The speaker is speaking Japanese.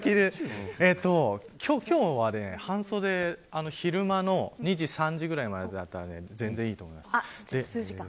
今日は昼間の２時、３時ぐらいまでだったら全然いいと思います。